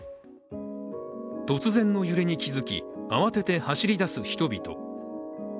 突然の揺れに気づき、慌てて走りだす人々。